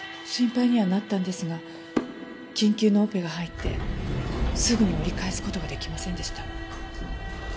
心配にはなったんですが緊急のオペが入ってすぐに折り返す事ができませんでした。